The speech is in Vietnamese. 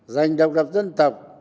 dành độc lập dân tộc